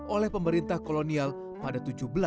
oleh pemerintah kolonial pada seribu tujuh ratus sembilan puluh